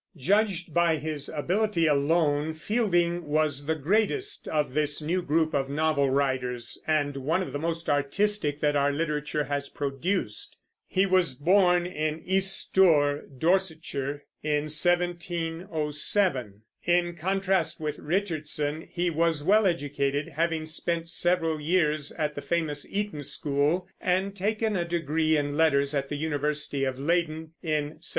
Judged by his ability alone, Fielding was the greatest of this new group of novel writers, and one of the most artistic that our literature has produced. He was born in East Stour, Dorsetshire, in 1707. In contrast with Richardson, he was well educated, having spent several years at the famous Eton school, and taken a degree in letters at the University of Leyden in 1728.